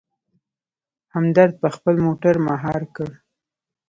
همدرد په خپله موټر مهار کړ.